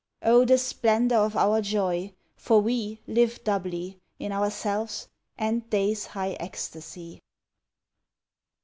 O the splendour of our joy, for we Live doubly, in ourselves, and day's high ecstasy.